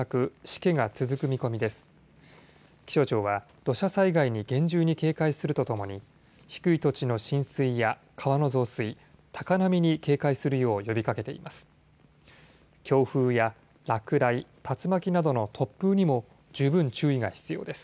気象庁は土砂災害に厳重に警戒するとともに低い土地の浸水や川の増水、高波に警戒するよう呼びかけています。